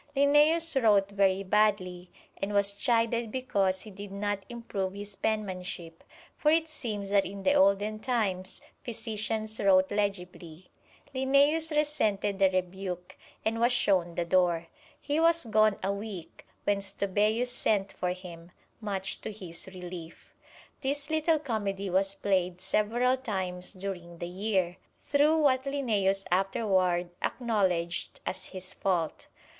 Linnæus wrote very badly, and was chided because he did not improve his penmanship, for it seems that in the olden times physicians wrote legibly. Linnæus resented the rebuke, and was shown the door. He was gone a week, when Stobæus sent for him, much to his relief. This little comedy was played several times during the year, through what Linnæus afterward acknowledged as his fault.